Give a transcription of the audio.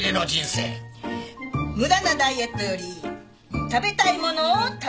無駄なダイエットより食べたいものを食べるべし。